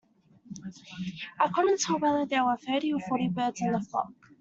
I couldn't tell whether there were thirty or forty birds in the flock